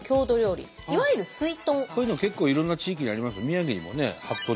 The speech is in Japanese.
こういうの結構いろんな地域にありますよ。